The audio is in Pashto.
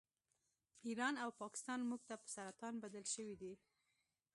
ایران او پاکستان موږ ته په سرطان بدل شوي دي